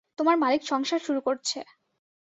তোমার মালিক সংসার শুরু করছে।